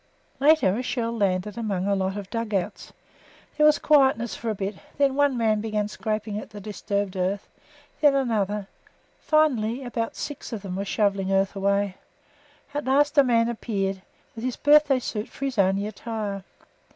Later a shell landed among a lot of dug outs. There was quietness for a bit; then one man began scraping at the disturbed earth, then another; finally about six of them were shovelling earth away; at last a man appeared with his birthday suit for his only attire.